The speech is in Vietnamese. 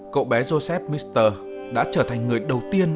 cậu bé joseph pasteur đã trở thành người đầu tiên